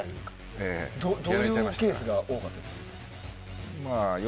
どういうケースが多かったですか？